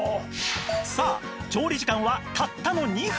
さあ調理時間はたったの２分